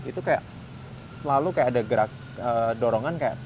itu kayak selalu kayak ada gerak dorongan kayak